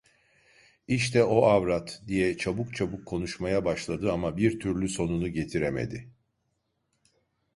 İşte o avrat… diye çabuk çabuk konuşmaya başladı, ama bir türlü sonunu getiremedi.